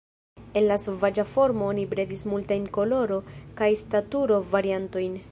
El la sovaĝa formo oni bredis multajn koloro- kaj staturo-variantojn.